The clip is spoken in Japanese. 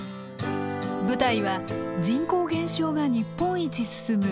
舞台は人口減少が日本一進む秋田県。